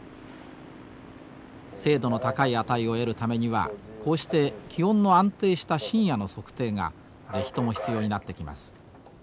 精度の高い値を得るためにはこうして気温の安定した深夜の測定が是非とも必要になってきます。